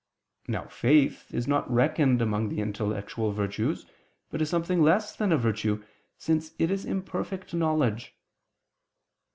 Now faith is not reckoned among the intellectual virtues, but is something less than a virtue, since it is imperfect knowledge.